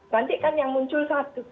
nanti kan yang muncul satu